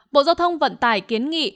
bộ giao thông vận tải kiến nghị